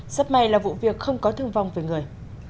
sắp may là vụ việc không có thương vong về người